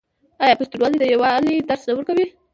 آیا پښتونولي د یووالي درس نه ورکوي؟